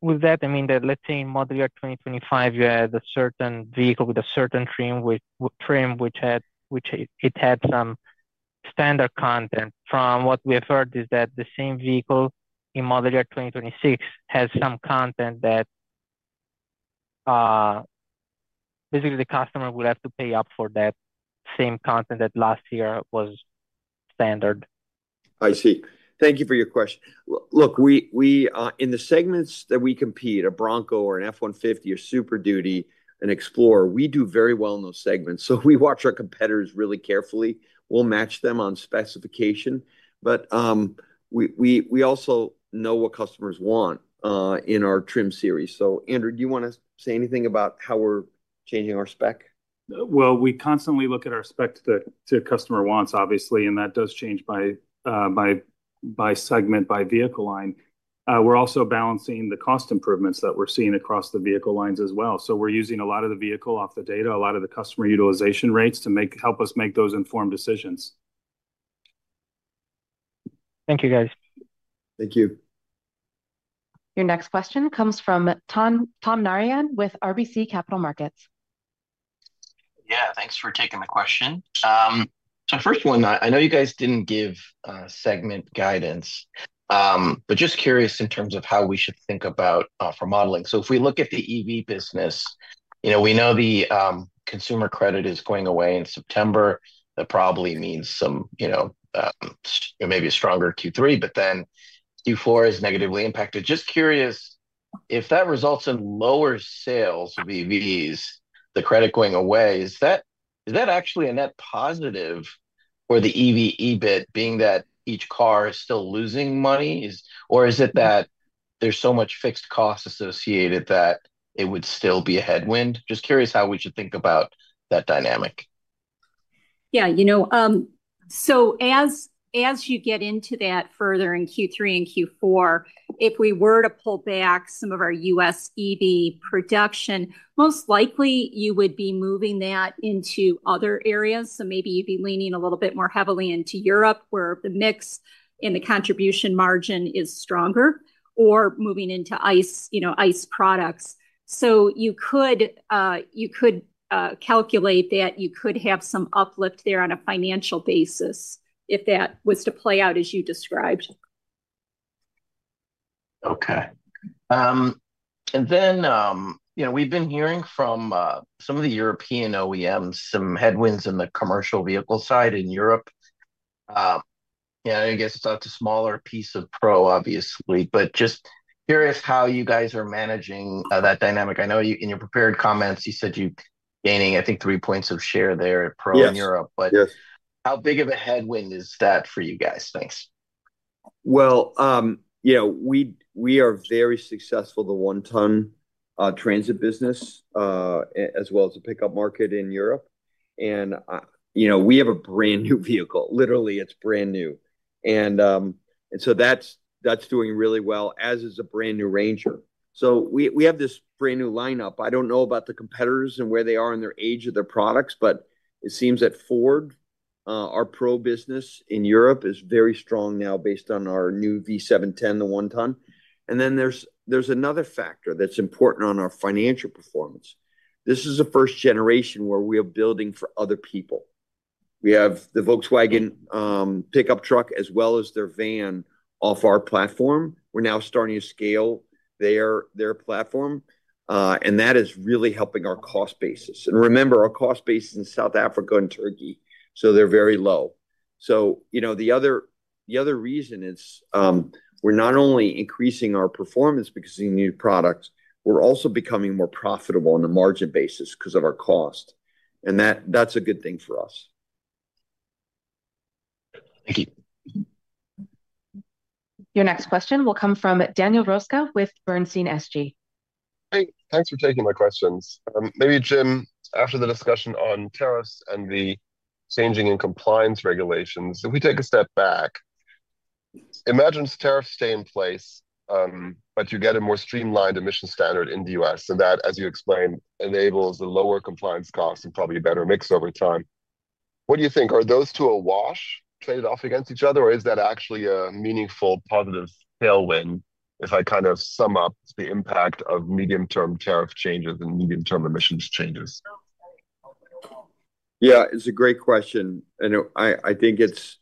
With that. I mean that, let's say in model year 2025, you had a certain vehicle with a certain trim which had, which it had some standard content. From what we have heard is that the same vehicle in model year 2026 has some content that basically the customer would have to pay up for that same content that last year was standard. I see. Thank you for your question. Look, we in the segments that we compete, a Bronco or an F-150 or Super Duty, an Explorer, we do very well in those segments. We watch our competitors really carefully. We will match them on specification, but we also know what customers want in our trim series. Andrew, do you want to say anything about how we're changing our spec? We constantly look at our spec to customer wants, obviously, and that does change by segment, by vehicle line. We're also balancing the cost improvements that we're seeing across the vehicle lines as well. We're using a lot of the vehicle off the data, a lot of the customer utilization rates to help us make those informed decisions. Thank you, guys. Thank you. Your next question comes from Tom Narayan with RBC Capital Markets. Yeah, thanks for taking the question. First one, I know you guys did not give segment guidance, but just curious in terms of how we should think about offer modeling. If we look at the EV business, you know, we know the consumer credit is going away in September. That probably means, you know, maybe a stronger Q3, but then Q4 is negatively impacted. Just curious if that results in lower sales of EVs, the credit going away. Is that actually a net positive for the EV EBIT being that each car is still losing money, or is it that there is so much fixed cost associated that it would still be a headwind? Just curious how we should think about that dynamic. Yeah, you know, as you get into that further in Q3 and Q4, if we were to pull back some of our U.S. EV production, most likely you would be moving that into other areas. Maybe you'd be leaning a little bit more heavily into Europe where the mix in the contribution margin is stronger or moving into ICE, you know, ICE products. You could calculate that you could have some uplift there on a financial basis if that was to play out as you described. Okay. You know, we've been hearing from some of the European OEMs, some headwinds in the commercial vehicle side in Europe. Yeah, I guess it's a smaller piece of Pro obviously, but just curious how you guys are managing that dynamic. I know in your prepared comments you said you gaining I think three points of share there at Pro in Europe. How big of a headwind is that for you guys? Thanks. You know, we are very successful in the one ton Transit business as well as the pickup market in Europe. You know, we have a brand new vehicle, literally it's brand new, and that's doing really well, as is a brand new Ranger. We have this brand new lineup. I don't know about the competitors and where they are in the age of their products, but it seems that Ford, our Pro business in Europe, is very strong now based on our new V710, the one ton. There's another factor that's important on our financial performance. This is the first generation where we are building for other people. We have the Volkswagen pickup truck as well as their van off our platform. We're now starting to scale their platform, and that is really helping our cost basis. Remember our cost basis in South Africa and Turkey, so they're very low. The other reason is we're not only increasing our performance because of new products, we're also becoming more profitable on a margin basis because of our cost and that's a good thing for us. Your next question will come from Daniel Roska with Bernstein. Thanks for taking my questions. Maybe Jim, after the discussion on tariffs and the changing in compliance regulations, if we take a step back, imagine tariffs stay in place but you get a more streamlined emission standard in the U.S. and that as you explained enables the lower compliance costs and probably a better mix over time. What do you think? Are those two awash played off against each other or is that actually a meaningful positive tailwind? If I kind of sum up the impact of medium term tariff changes and medium term emissions changes. Yeah, it's a great question and I think it's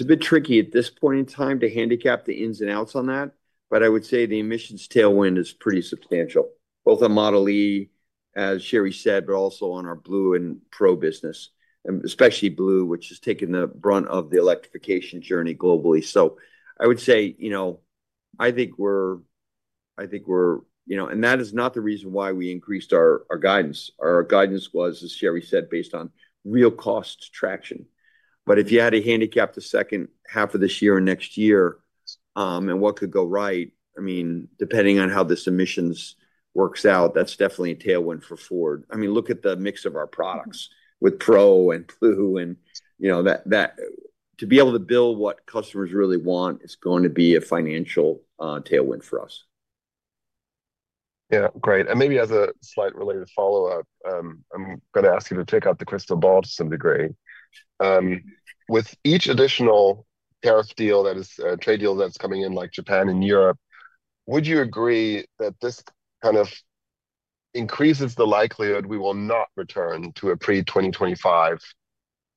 a bit tricky at this point in time to handicap the ins and outs on that. I would say the emissions tailwind is pretty substantial both on Model E as Sherry said, but also on our Blue and Pro business and especially Blue which has taken the brunt of the electrification journey globally. I would say, you know, I think we're, you know, and that is not the reason why we increased our guidance. Our guidance was, as Sherry said, based on real cost traction. If you had to handicap the second half of this year or next year and what could go right, I mean depending on how the emissions works out, that's definitely a tailwind for Ford. I mean, look at the mix of our products with Pro and Blue and you know, that, that to be able to build what customers really want is going to be a financial tailwind for us. Yeah. Great. Maybe as a slight related follow up, I'm going to ask you to take out the crystal ball to some degree. With each additional tariff deal, that is, trade deal that's coming in, like Japan and Europe, would you agree that this kind of increases the likelihood we will not return to a pre-2025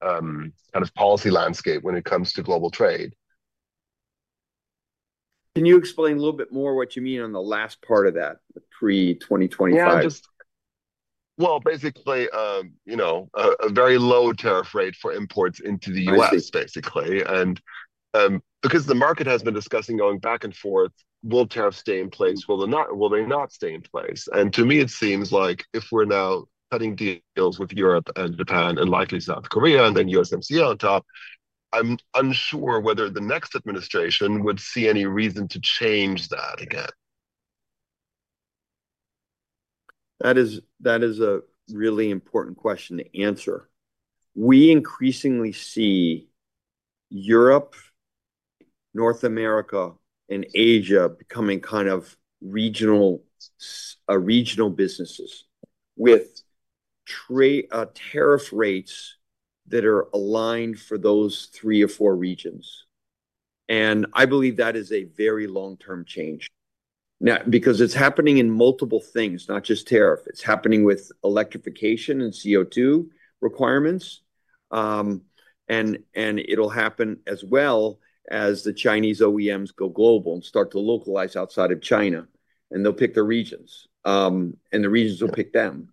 kind of policy landscape when it comes to global trade? Can you explain a little bit more what you mean on the last part of that pre-2025? Basically a very low tariff rate for imports into the U.S. basically. Because the market has been discussing going back and forth, will tariffs stay in place? Will they not stay in place? To me it seems like if we're now cutting deals with Europe and Japan and likely South Korea and then USMC on top of, I'm unsure whether the next administration would see any reason to change that. Again. That is a really important question to answer. We increasingly see Europe, North America, and Asia becoming kind of regional businesses with trade tariff rates that are aligned for those three or four regions. I believe that is a very long-term change now because it is happening in multiple things, not just tariff. It is happening with electrification and CO2 requirements, and it will happen as well as the Chinese OEMs go global and start to localize outside of China, and they will pick their regions and the regions will pick them.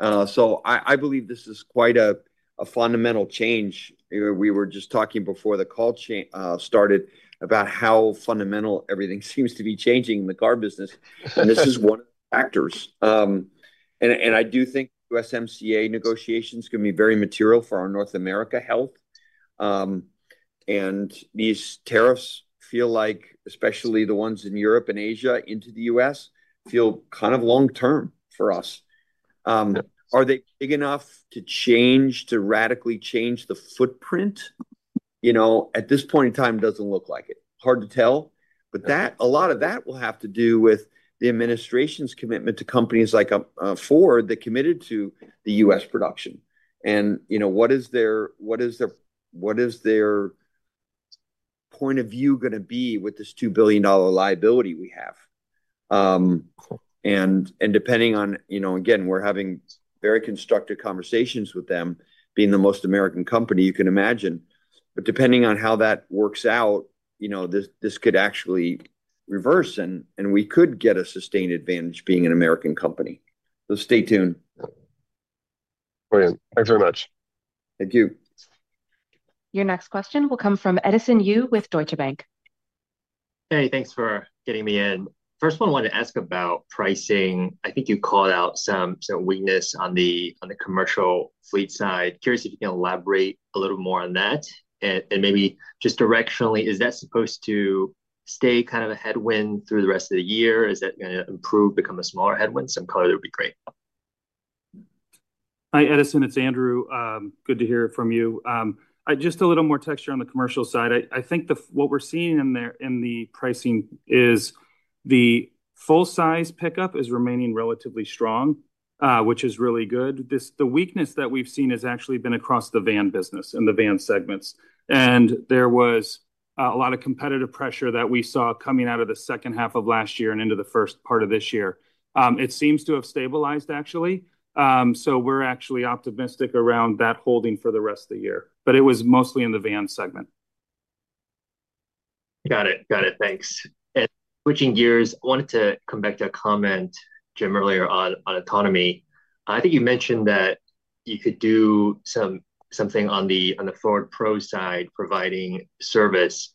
I believe this is quite a fundamental change. We were just talking before the call started about how fundamental. Everything seems to be changing in the car business, and this is one of the actors. I do think USMCA negotiations can be very material for our North America health. These tariffs feel like, especially the ones in Europe and Asia into the U.S., feel kind of long-term for us. Are they big enough to change, to radically change the footprint? You know, at this point in time it does not look like it, hard to tell. A lot of that will have to do with the administration's commitment to companies like Ford that committed to the U.S. production. You know, what is their, what is the, what is their point of view going to be with this $2 billion liability we have? Depending on, you know, again we are having very constructive conversations with them, being the most American company you can imagine. Depending on how that works out, you know, this could actually reverse, and we could get a sustained advantage being an American company. Stay tuned. Brilliant. Thanks very much. Thank you. Your next question will come from Edison Yu with Deutsche Bank. Hey, thanks for getting me in. First one, I wanted to ask about pricing. I think you called out some weakness on the, on the commercial fleet side. Curious if you can elaborate a little more on that. Maybe just directionally, is that supposed to stay kind of a headwind through the rest of the year? Is that going to improve, become a smaller headwind? Some color? That would be great. Hi Edison, it's Andrew. Good to hear from you. Just a little more texture on the commercial side. I think what we're seeing in there in the pricing is the full size pickup is remaining relatively strong, which is really good. The weakness that we've seen has actually been across the van business and the van segments. There was a lot of competitive pressure that we saw coming out of the second half of last year and into the first part of this year. It seems to have stabilized actually. We are actually optimistic around that holding for the rest of the year, but it was mostly in the van segment. Got it, got it. Thanks. Switching gears. I wanted to come back to a comment, Jim. Earlier on Autonomy, I think you mentioned that you could do something on the Ford Pro side providing service.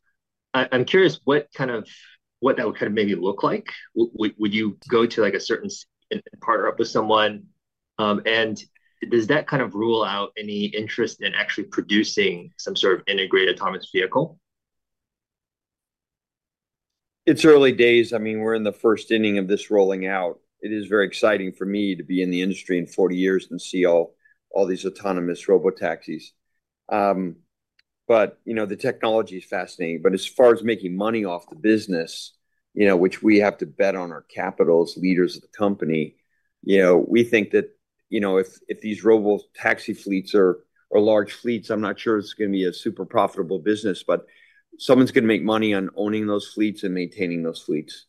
I'm curious what kind of, what that would kind of maybe look like. Would you go to like a certain partner up with someone and does that kind of rule out any interest in actually producing some sort of integrated autonomous vehicle? It's early days. I mean, we're in the first inning of this rolling out. It is very exciting for me to be in the industry in 40 years and see all, all these autonomous robotaxis. You know, the technology is fascinating. As far as making money off the business, you know, which we have to bet on our capital as leaders of the company, you know, we think that, you know, if these robotaxi fleets are, or large fleets, I'm not sure it's going to be a super profitable business. Someone's going to make money on owning those fleets and maintaining those fleets.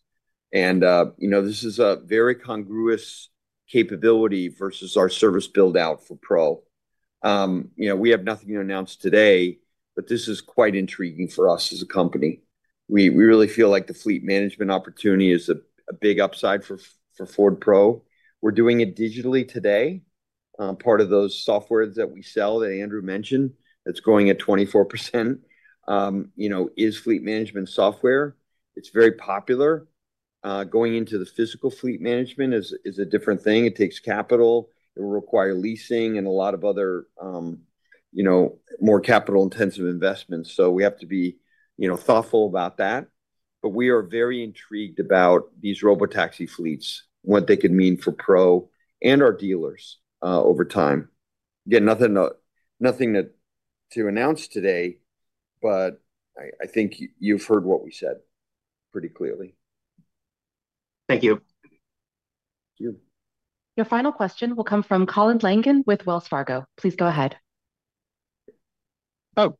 You know, this is a very congruous capability versus our service build out for Pro. We have nothing to announce today, but this is quite intriguing for us as a company. We really feel like the fleet management opportunity is a big upside for Ford Pro. We're doing it digitally today. Part of those software that we sell that Andrew mentioned that's going at 24%, you know, is fleet management software. It's very popular. Going into the physical fleet management is a different thing. It takes capital, it will require leasing and a lot of other, you know, more capital intensive investments. We have to be, you know, thoughtful about that. We are very intrigued about these robotaxi fleets, what they can mean for Pro. Our dealers over time get nothing to announce today, but I think you've heard what we said pretty clearly. Thank you. Your final question will come from Colin Langan with Wells Fargo. Please go ahead. Oh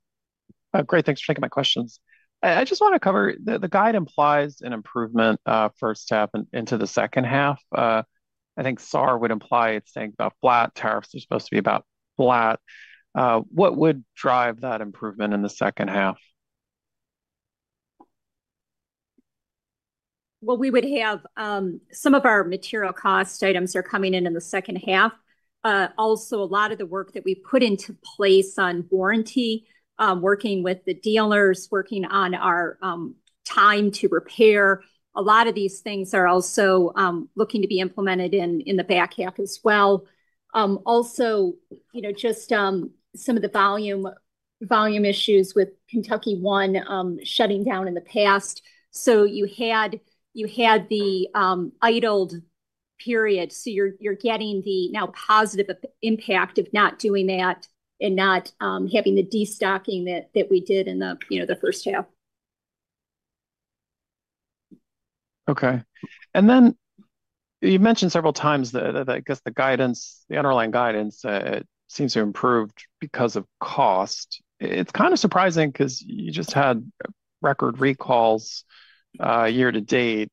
great. Thanks for taking my questions. I just want to cover the guide implies an improvement first step into the second half. I think SAR would imply it's saying about flat. Tariffs are supposed to be about flat. What would drive that improvement in the second half? We would have some of our material cost items coming in in the second half. Also, a lot of the work that we put into place on warranty, working with the dealers, working on our time to repair. A lot of these things are also looking to be implemented in the back half as well. Also, you know, just some of the volume issues with Kentucky 1 shutting down in the past. You had the idled period. You are getting the now positive impact of not doing that and not having the destocking that we did in the first half. Okay. You mentioned several times that I guess the guidance, the underlying guidance seems to improve because of cost. It's kind of surprising because you just had record recalls year-to-date.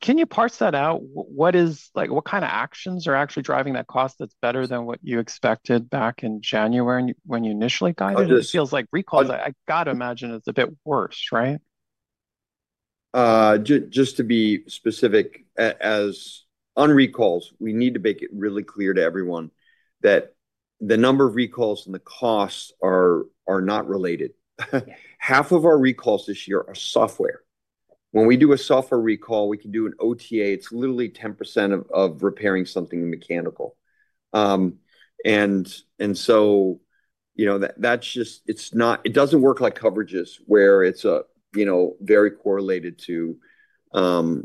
Can you parse that out? What is like what kind of actions are actually driving that cost that's better than what you expected back in January when you initially guided it? It feels like recall. I gotta imagine it's a bit worse. Right. Just to be specific, as on recalls, we need to make it really clear to everyone that the number of recalls and the costs are not related. Half of our recalls this year are software. When we do a software recall, we can do an OTA. It's literally 10% of repairing something mechanical. You know, that's just, it's not, it doesn't work like coverages where it's a, you know, very correlated to the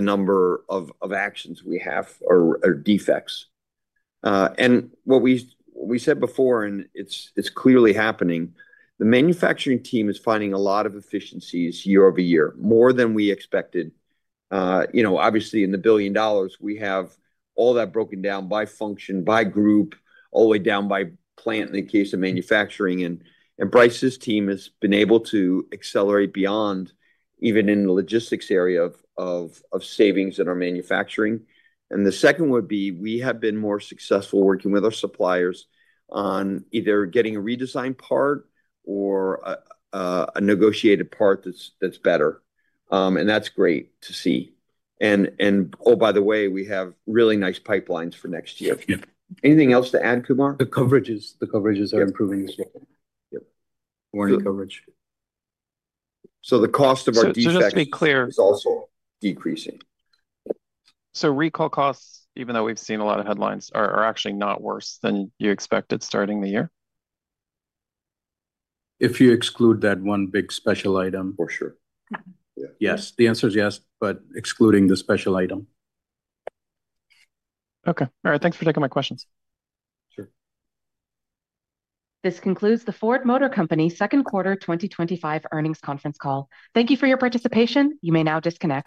number of actions we have or defects. What we said before and it's, it's clearly happening, the manufacturing team is finding a lot of efficiencies year-over-year, more than we expected. You know, obviously in the billion dollars. We have all that broken down by function, by group, all the way down by plant in the case of manufacturing. Bryce's team has been able to accelerate beyond even in the logistics area of savings in our manufacturing. The second would be, we have been more successful working with our suppliers on either getting a redesign part or a negotiated part. That's better and that's great to see. Oh, by the way, we have really nice pipelines for next year. Anything else to add, Kumar? The coverages are improving as well. The cost of our defect is also decreasing. Let's be clear. Recall costs, even though we've seen a lot of headlines, are actually not worse than you expected starting the year if you exclude that one big special item. For sure. Yes, the answer is yes, but excluding the special item. Okay. All right. Thanks for taking my questions. Sure. This concludes the Ford Motor Company second quarter 2025 earnings conference call. Thank you for your participation. You may now disconnect.